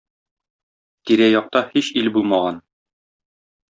Тирә-якта һич ил булмаган.